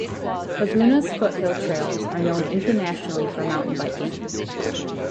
Laguna's foothill trails are known internationally for mountain biking.